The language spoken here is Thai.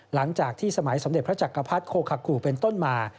หลังจากที่สมัยสมเด็จพระจักรพรรดิโคคากูเป็นต้นมา